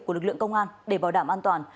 của lực lượng công an để bảo đảm an toàn